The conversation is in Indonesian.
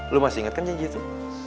lo masih inget kan janji itu